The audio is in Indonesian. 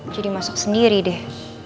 jadi masak sendiri deh